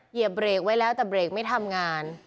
เหยียบเบรกไว้แล้วแต่เบรกไม่ทำงาน